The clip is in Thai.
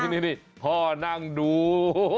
นี่พ่อนั่งดู